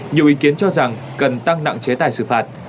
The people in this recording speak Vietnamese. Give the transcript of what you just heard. nhiều ý kiến cho rằng cần tăng nặng chế tài xử phạt